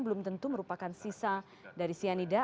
belum tentu merupakan sisa dari cyanida